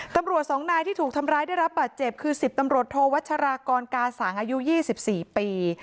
ตำรวจสองนายที่ถูกทำร้ายได้รับบาดเจ็บคือ๑๐ตำรวจโทวัชรากรกาสังอายุ๒๔ปี